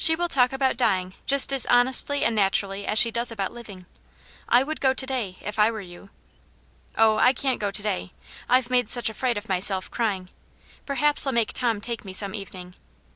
will talk about dying just as honestly and naturally as she does about living. I would go to day, if I were you." " Oh, I can't go to day — IVe made such a fright of myself, crying. Perhaps 1*11 make Tom take me some evening.